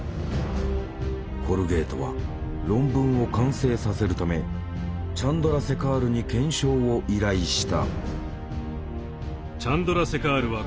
コルゲートは論文を完成させるためチャンドラセカールに検証を依頼した。